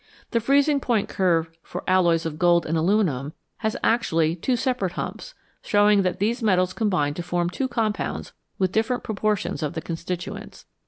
The freezing point curve for alloys of gold and alu minium has actually two separate humps, showing that these metals combine to form two compounds with different proportions of the constituents.